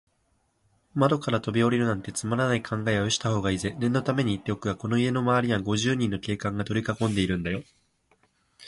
窓からとびおりるなんて、つまらない考えはよしたほうがいいぜ。念のためにいっておくがね、この家のまわりは、五十人の警官がとりかこんでいるんだよ。